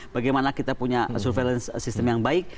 bagaimana kita punya surveillance system yang baik